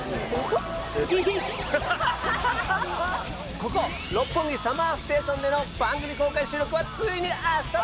ここ六本木ＳＵＭＭＥＲＳＴＡＴＩＯＮでの番組公開収録はついに明日だ！